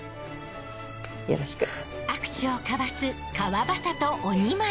よろしく。